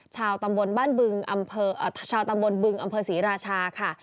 ชาวตำบลบึงอำเภอศรีราชาค่ะ